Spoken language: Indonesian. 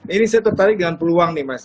ini saya tertarik dengan peluang nih mas